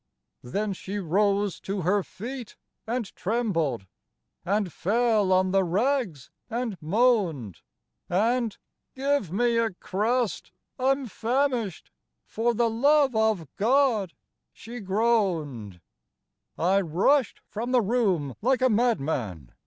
Then she rose to her feet and trembled, And fell on the rags and moaned, And, * Give me a crust — I 'm famished — For the love of God !' she groaned. " I rushed from the room like a madman.